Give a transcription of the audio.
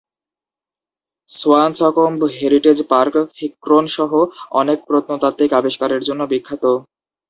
Swanscombe heritage park ফিক্রোন সহ অনেক প্রত্নতাত্ত্বিক আবিষ্কারের জন্য বিখ্যাত।